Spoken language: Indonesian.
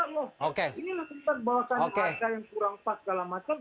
inilah tempat bahwa saya yang kurang pas segala macam